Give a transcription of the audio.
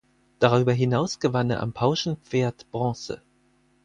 Darüber hinaus gewann er am Pauschenpferd Bronze.